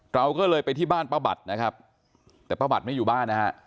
เราก็เลยไปที่บ้านป้าบัตรนะครับแต่ป้าบัตรไม่อยู่บ้านนะฮะ